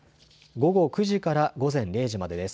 午後９時から午前０時までです。